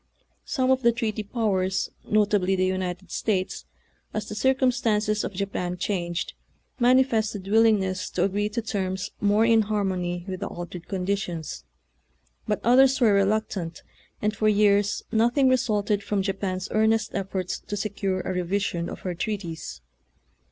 Some of the treaty powers, notably the United States, as the circum stances of Japan changed, manifested willingness to agree to terms more in har mony with the altered conditions, but others were reluctant, and for years no thing resulted from Japan's earnest efforts to secure a revision of her treaties.